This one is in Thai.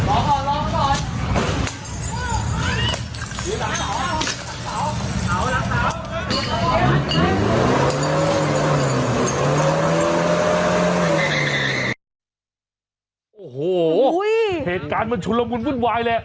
โอ้โหเหตุการณ์มันชุนละมุนวุ่นวายเลย